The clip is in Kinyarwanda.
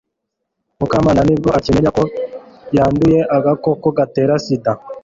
mukamana nibwo akimenya ko yanduye agakoko gatera sida